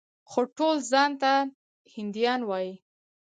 خو ټول ځان ته هندیان وايي.